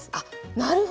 なるほど。